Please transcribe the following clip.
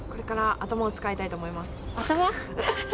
頭？